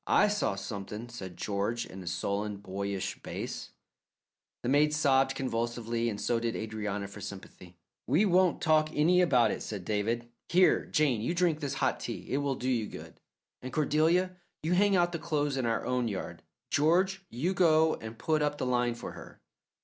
"I saw something," said George, in a sullen, boyish bass. The maid sobbed convulsively and so did Adrianna for sympathy. "We won't talk any about it," said David. "Here, Jane, you drink this hot tea it will do you good; and Cordelia, you hang out the clothes in our own yard. George, you go and put up the line for her."